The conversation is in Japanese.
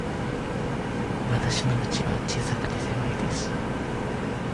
わたしのうちは小さくて、狭いです。